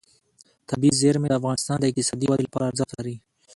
طبیعي زیرمې د افغانستان د اقتصادي ودې لپاره ارزښت لري.